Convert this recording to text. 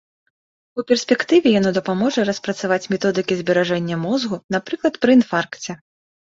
У перспектыве яно дапаможа распрацаваць методыкі зберажэння мозгу, напрыклад, пры інфаркце.